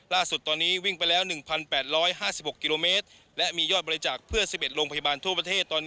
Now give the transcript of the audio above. ล่าสุดตอนนี้วิ่งไปแล้ว๑๘๕๖กิโลเมตรและมียอดบริจาคเพื่อ๑๑โรงพยาบาลทั่วประเทศตอนนี้